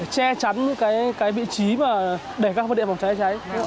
che chắn vị trí để các vật điện phòng cháy cháy